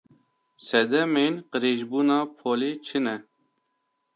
Sedemên qirêjbûna polê çi ne?